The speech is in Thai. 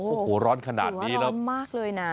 โอ้โหร้อนขนาดนี้แล้วร้อนมากเลยนะ